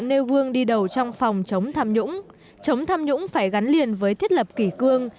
nêu gương đi đầu trong phòng chống tham nhũng chống tham nhũng phải gắn liền với thiết lập kỷ cương